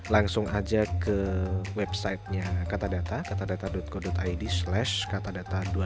langsung aja ke websitenya kata data kata data dot go dot id slash kata data dua puluh lima